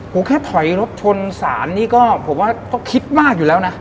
แค่ถอยรถชนศาลนี่ก็ผมว่าก็คิดมากอยู่แล้วนะ